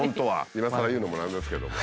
今さら言うのもなんですけども。